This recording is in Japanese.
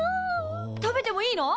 食べてもいいの？